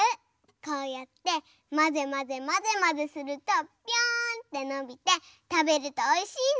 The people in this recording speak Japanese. こうやってまぜまぜまぜまぜするとぴょんってのびてたべるとおいしいの！